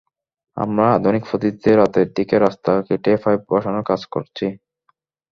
আমরা আধুনিক পদ্ধতিতে রাতের দিকে রাস্তা কেটে পাইপ বসানোর কাজ করছি।